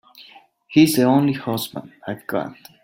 He's the only husband I've got.